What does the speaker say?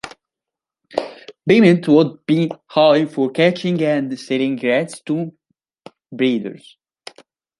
Payment would be high for catching and selling rats to breeders.